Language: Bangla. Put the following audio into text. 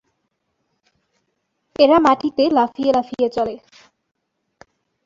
এরা মাটিতে লাফিয়ে লাফিয়ে চলে।